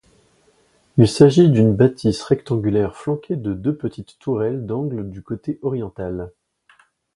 Il s'agit d'une bâtisse rectangulaire flanquée de deux petites tourelles d'angle du côté oriental.